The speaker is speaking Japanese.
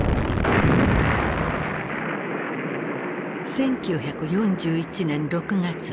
１９４１年６月。